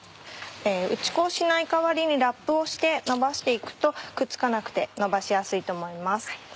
打ち粉をしない代わりにラップをしてのばして行くとくっつかなくてのばしやすいと思います。